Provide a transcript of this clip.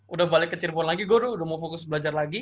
udah balik ke cirebon lagi gue udah mau fokus belajar lagi